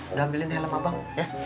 udah ambilin helm abang